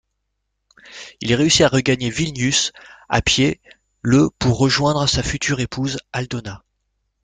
Il réussit à regagner Vilnius à pied le pour rejoindre sa future épouse Aldona.